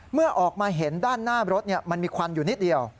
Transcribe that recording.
เมื่อออกมาเห็นด้านหน้ารถมันมีควันอยู่นิดเดียว